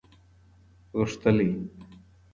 غښتلی